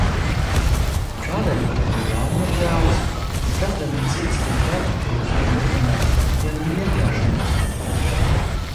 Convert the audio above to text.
Kādēļ par to jāņirgājas? Kas gan cits ir karikatūras par Muhamedu, ja ne ņirgāšanās?